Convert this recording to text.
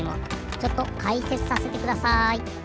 ちょっとかいせつさせてください。